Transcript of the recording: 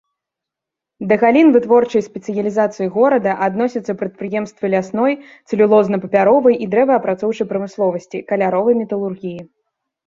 Да галін вытворчай спецыялізацыі горада адносяцца прадпрыемствы лясной, цэлюлозна-папяровай і дрэваапрацоўчай прамысловасці, каляровай металургіі.